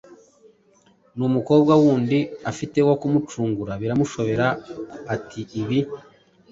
numukobwa wundi afite wo kumucungura. Biramushobera ati: “Ibi